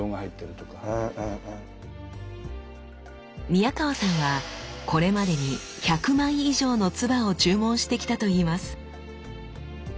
宮川さんはこれまでに１００枚以上の鐔を注文してきたといいます。